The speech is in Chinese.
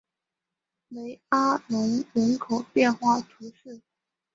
雷阿隆人口变化图示